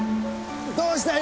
どうした？